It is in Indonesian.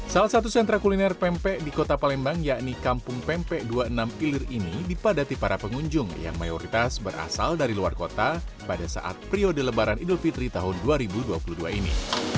salah satu sentra kuliner pempek di kota palembang yakni kampung pempek dua puluh enam ilir ini dipadati para pengunjung yang mayoritas berasal dari luar kota pada saat periode lebaran idul fitri tahun dua ribu dua puluh dua ini